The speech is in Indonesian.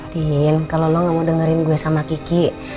dingin kalau lo gak mau dengerin gue sama kiki